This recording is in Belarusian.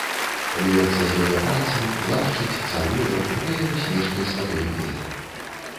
Льецца з яе пальцаў, лашчыць, цалуе, грэе ўсмешкай сваёй белі.